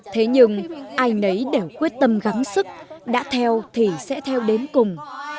thế nhưng ai nấy đều quyết tâm gắn sức đã theo thì sẽ theo đến cùng